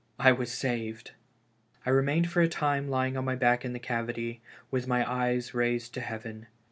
I was saved ! I remained for a time lying on my back in the cavity, with my eyes raised to heaven.